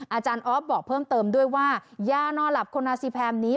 อาจารย์ออฟบอกเพิ่มเติมด้วยว่ายานอนหลับโคนาซีแพมนี้